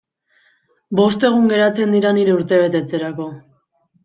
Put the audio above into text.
Bost egun geratzen dira nire urtebetetzerako.